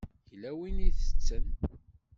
Yella win i itetten.